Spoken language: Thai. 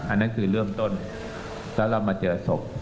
อันนั้นคือเริ่มต้นแล้วเรามาเจอศพ